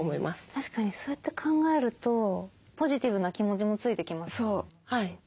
確かにそうやって考えるとポジティブな気持ちもついてきます。